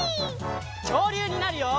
きょうりゅうになるよ！